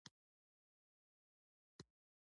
بیا لیوه د سیند غاړې ته وړو.